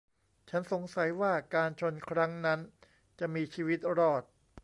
ฉันสงสัยว่าการชนครั้งนั้นจะมีชีวิตรอด